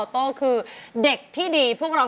สุดสุดครับ